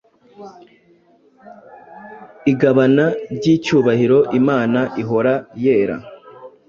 Igabana ryicyubahiroImana ihora-yera